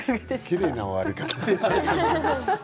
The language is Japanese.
きれいな終わり方。